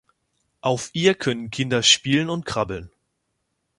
Auf ihr können Kinder spielen und krabbeln.